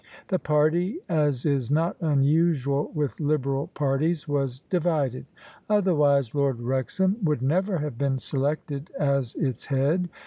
The party — ^as is not unusual with Liberal parties — ^was divided: otherwise Lord Wrexham would never have been selected as its head.